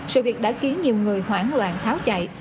sự việc đã khiến nhiều người hoảng loạn tháo chạy